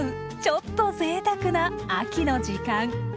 ちょっとぜいたくな秋の時間。